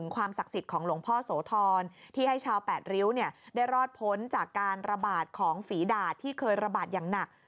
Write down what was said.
ของฝีดาตรที่เคยระบาดอย่างหนัก